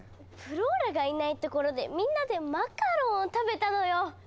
フローラがいないところでみんなでマカロンを食べたのよ！